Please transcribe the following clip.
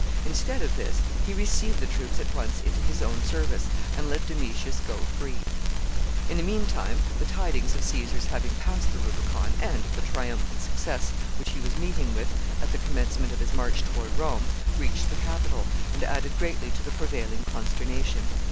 Instead of this, he received the troops at once into his own service, and let Domitius go free. [Sidenote: Dismay at Rome.] [Sidenote: Pompey's distress.] In the mean time, the tidings of Caesar's having passed the Rubicon, and of the triumphant success which he was meeting with at the commencement of his march toward Rome, reached the Capitol, and added greatly to the prevailing consternation.